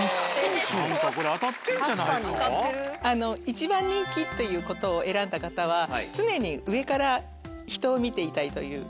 一番人気ということを選んだ方は常に上から人を見ていたいという。